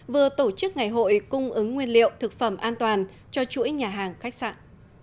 vừa tổ chức ngày hội cung ứng nguyên liệu thực phẩm an toàn cho chuỗi nhà hàng khách sạn